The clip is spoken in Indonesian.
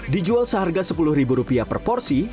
dijual seharga sepuluh ribu rupiah per porsi